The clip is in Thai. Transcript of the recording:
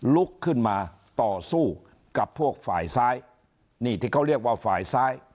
ลุกขึ้นมาต่อสู้กับพวกฝ่ายซ้ายนี่ที่เขาเรียกว่าฝ่ายซ้าย